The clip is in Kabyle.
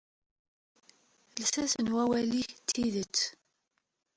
Lsas n wawal-ik, d tidet.